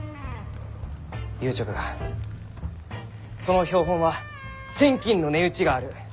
言うちょくがその標本は千金の値打ちがある。